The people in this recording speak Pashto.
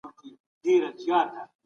خلګ اوس زغم زده کوي.